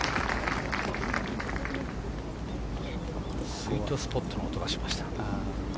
スイートスポットの音がしました。